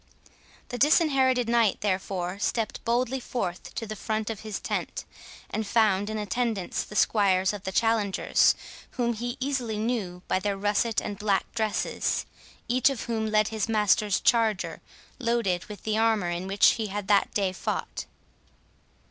The Disinherited Knight, therefore, stept boldly forth to the front of his tent, and found in attendance the squires of the challengers, whom he easily knew by their russet and black dresses, each of whom led his master's charger, loaded with the armour in which he had that day fought.